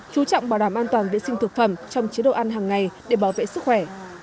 chú trọng bảo đảm an toàn vệ sinh thực phẩm trong chế độ ăn hàng ngày để bảo vệ sức khỏe